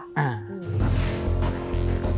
อ่า